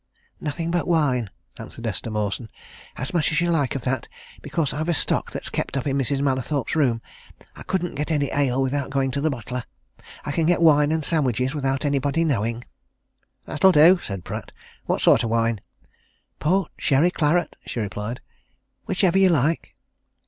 "Nothing but wine," answered Esther Mawson. "As much as you like of that, because I've a stock that's kept up in Mrs. Mallathorpe's room. I couldn't get any ale without going to the butler. I can get wine and sandwiches without anybody knowing." "That'll do," said Pratt. "What sort of wine?" "Port, sherry, claret," she replied. "Whichever you like."